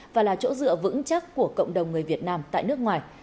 và là chỗ dựa vững chắc của cộng đồng người việt nam tại nước ngoài